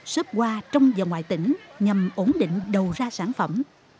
xếp hoa trong và ngoài tỉnh nhằm ổn định đầu ra sản phẩm